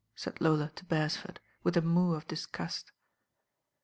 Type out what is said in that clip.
said Lola to Beresford with a moue of disgust.